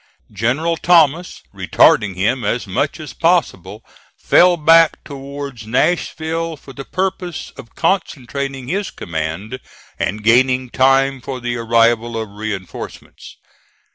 General Thomas, retarding him as much as possible, fell back towards Nashville for the purpose of concentrating his command and gaining time for the arrival of reinforcements.